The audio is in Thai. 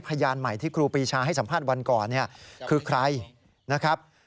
พยานใหม่ที่ครูปีชาให้สัมภาษณ์วันก่อนเนี่ยคือใครนะครับ